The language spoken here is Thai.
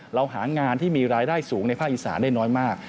เราหางานที่มีรายได้สูงในภาคอีสานได้น้อยมาก